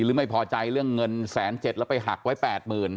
หรือไม่พอใจเรื่องเงินแสนเจ็ดละไปหักไว้แปดหมื่น